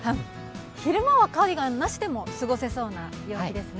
昼間はカーディガンなしでも過ごせそうな陽気ですね。